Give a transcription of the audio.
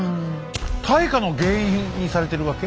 大火の原因にされてるわけ？